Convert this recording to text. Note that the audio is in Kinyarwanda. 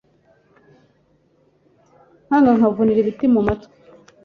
nkanga nkavunira ibiti mu matwi.